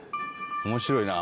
「面白いな」